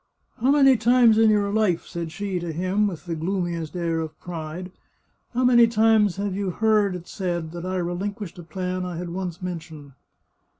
" How many times in your life," said she to him, with the gloomiest air of pride, " how many times have you heard it said that I reHnquished a plan I had once mentioned